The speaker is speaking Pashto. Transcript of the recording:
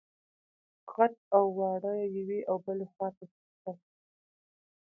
غټ او واړه يوې او بلې خواته ځغاستل.